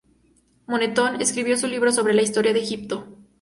Manetón escribió su libro sobre la historia de Egipto.